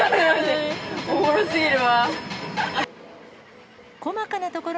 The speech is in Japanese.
おもろすぎるわ。